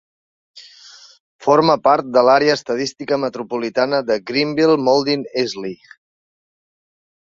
Forma part de l'Àrea Estadística Metropolitana de Greenville-Mauldin-Easley.